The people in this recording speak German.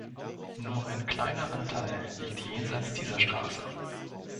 Nur ein kleiner Anteil liegt jenseits dieser Straße.